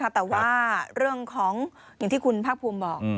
แต่ว่าเรื่องของอย่างที่คุณภาคภูมิบอก